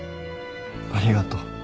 ありがとう。